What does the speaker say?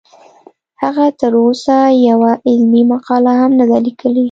هغه تر اوسه یوه علمي مقاله هم نه ده لیکلې